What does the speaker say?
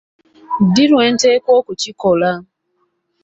Ddi lwenteekwa okukikola?